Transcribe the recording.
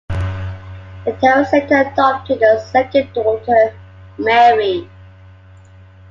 The Terrells later adopted a second daughter, Mary.